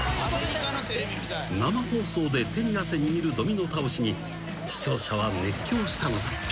［生放送で手に汗握るドミノ倒しに視聴者は熱狂したのだった］